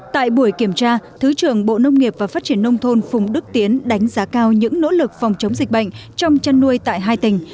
tại buổi kiểm tra thứ trưởng bộ nông nghiệp và phát triển nông thôn phùng đức tiến đánh giá cao những nỗ lực phòng chống dịch bệnh trong chăn nuôi tại hai tỉnh